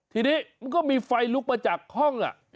ทีนี้มันก็มีไฟลุกมาจากห้อง